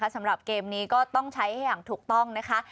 สำหรับเกมนี้ก็ต้องใช้อย่างถูกต้องนะคะ